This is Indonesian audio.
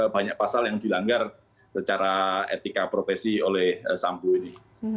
banyak pasal yang dilanggar secara etika profesi oleh sambo ini